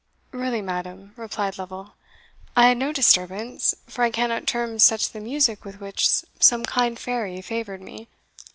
"Really, madam," replied Lovel, "I had no disturbance; for I cannot term such the music with which some kind fairy favoured me."